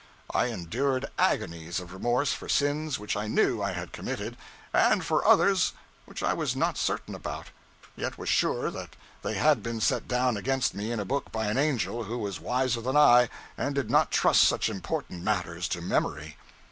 I endured agonies of remorse for sins which I knew I had committed, and for others which I was not certain about, yet was sure that they had been set down against me in a book by an angel who was wiser than I and did not trust such important matters to memory.